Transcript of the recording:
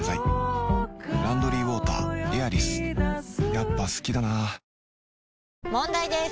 やっぱ好きだな問題です！